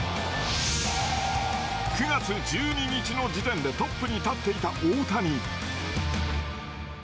９月１２日の時点でトップに立っていた大谷。